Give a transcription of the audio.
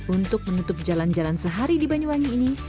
untuk menutup jalan jalan sehari di banyuwangi ini